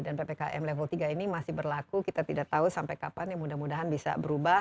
dan ppkm level tiga ini masih berlaku kita tidak tahu sampai kapan ya mudah mudahan bisa berubah